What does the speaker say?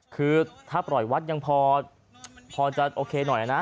คือถ้าปล่อยวัดยังพอจะโอเคหน่อยนะ